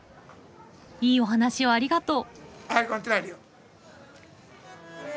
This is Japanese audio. いいお話をありがとう。